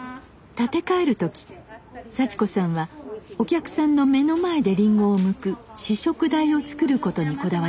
建て替える時幸子さんはお客さんの目の前でりんごをむく試食台を作ることにこだわりました。